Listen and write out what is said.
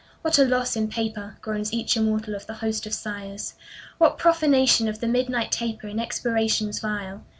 "What a loss in paper," Groans each immortal of the host of sighers! "What profanation of the midnight taper In expirations vile!